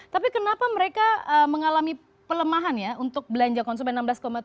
tapi kenapa mereka mengalami pelemahan ya untuk belanja konsumen enam belas tujuh